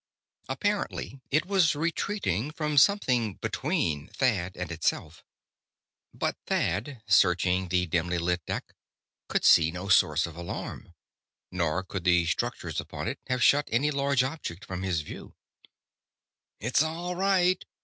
Apparently it was retreating from something between Thad and itself. But Thad, searching the dimly lit deck, could see no source of alarm. Nor could the structures upon it have shut any large object from his view. "It's all right!"